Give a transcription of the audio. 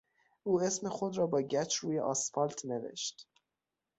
او اسم خود را با گچ روی آسفالت نوشت.